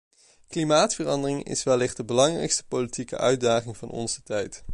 Klimaatverandering is wellicht de belangrijkste politieke uitdaging van onze tijd.